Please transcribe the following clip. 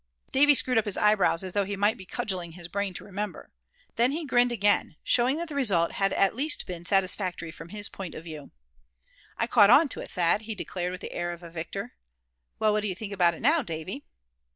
Davy screwed up his eyebrows as though he might be cudgeling his brain to remember. Then he grinned again, showing that the result had at least been satisfactory from his point of view. "I caught on to it, Thad," he declared with the air of a victor. "Well, what do you think about it now, Davy?"